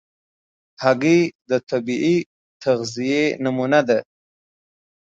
هګۍ د طبیعي تغذیې نمونه ده.